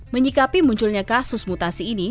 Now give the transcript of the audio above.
menyikapi munculnya kasus mutasi ini